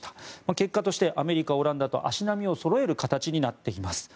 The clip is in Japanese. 結果としてアメリカ、オランダと足並みをそろえる形になっています。